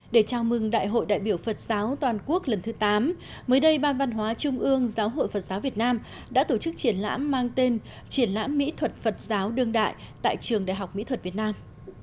để chào mừng đại hội đại biểu phật giáo toàn quốc lần thứ tám mới đây ban văn hóa trung ương giáo hội phật giáo việt nam đã tổ chức triển lãm mang tên triển lãm mỹ thuật phật giáo đương đại tại trường đại học mỹ thuật việt nam